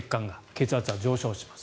血圧は上昇します。